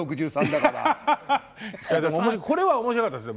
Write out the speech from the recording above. でもこれは面白かったですよ